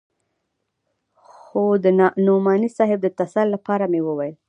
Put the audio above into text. خو د نعماني صاحب د تسل لپاره مې وويل.